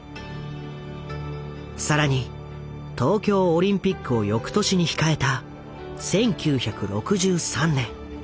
更に東京オリンピックをよくとしに控えた１９６３年。